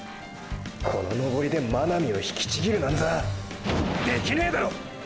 この登りで真波を引きちぎるなんざできねぇだろ！！